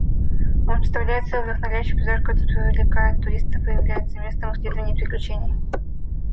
Оно представляет собой вдохновляющий пейзаж, который привлекает туристов и является местом исследований и приключений.